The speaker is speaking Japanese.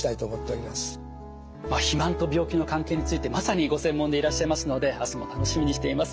肥満と病気の関係についてまさにご専門でいらっしゃいますので明日も楽しみにしています。